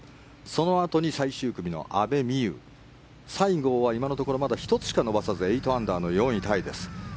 そのあとに最終組の阿部未悠西郷は今のところ１つしか伸ばさず８アンダーの４位タイです。